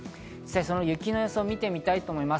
雪の予想を見てみたいと思います。